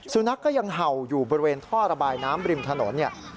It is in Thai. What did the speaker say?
สุนัขก็ยังเห่าอยู่บริเวณท่อระบายน้ำริมถนนเนี่ย